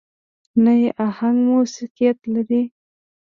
نه يې اهنګ موسيقيت لري.